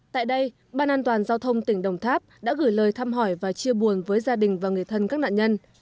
tại đây ban an toàn giao thông tỉnh đồng tháp đã gửi lời thăm hỏi và chia buồn với gia đình và người thân các nạn nhân